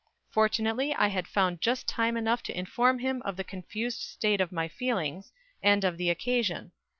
Fortunately I had found just time enough to inform him of the confused state of my feelings, and of the occasion.